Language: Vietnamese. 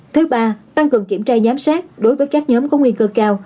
thứ ba tăng cường kiểm tra giám sát đối với các nhóm có nguy cơ cao